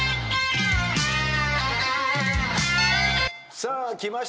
さあきました